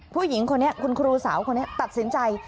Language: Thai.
ผู้หญิงคนนี้คุณครูสาวคนนี้ตัดสินใจ